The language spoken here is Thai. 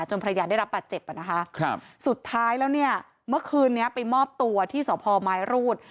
จนภรรยาได้รับบาดเจ็บสุดท้ายแล้วเมื่อคืนนี้ไปมอบตัวที่สพมรูท